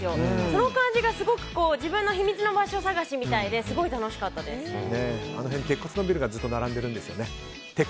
その感じがすごく自分の秘密の場所探しみたいであの辺、鉄骨のビルがずっと並んでいるんですよね。